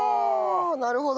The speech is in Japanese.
なるほど。